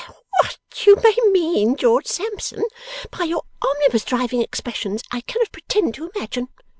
'What you may mean, George Sampson, by your omnibus driving expressions, I cannot pretend to imagine.